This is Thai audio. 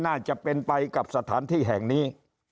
น่าจะเป็นไปกับสถานที่แห่งนี้